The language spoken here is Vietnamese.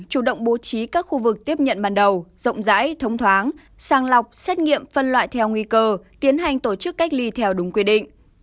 chủ động bố trí các khu vực tiếp nhận ban đầu rộng rãi thông thoáng sàng lọc xét nghiệm phân loại theo nguy cơ tiến hành tổ chức cách ly theo đúng quy định